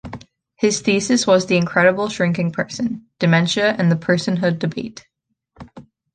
His thesis was The Incredible Shrinking Person: dementia and the personhood debate.